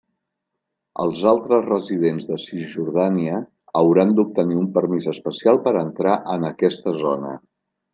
Els altres residents de Cisjordània hauran d'obtenir un permís especial per entrar en aquesta zona.